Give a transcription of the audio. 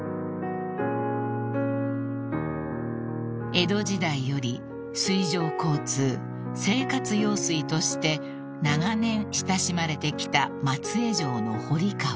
［江戸時代より水上交通生活用水として長年親しまれてきた松江城の堀川］